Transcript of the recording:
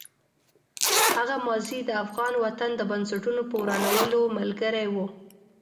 هغه ماضي د افغان وطن د بنسټونو په ورانولو ملګرې وه.